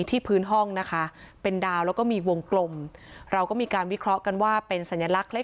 ที่พื้นห้องนะคะเป็นดาวแล้วก็มีวงกลมเราก็มีการวิเคราะห์กันว่าเป็นสัญลักษณ์